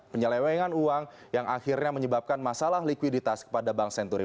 penyelewengan uang yang akhirnya menyebabkan masalah likuiditas kepada bank senturi